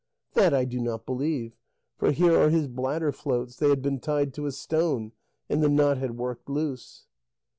"That I do not believe, for here are his bladder floats; they had been tied to a stone, and the knot had worked loose."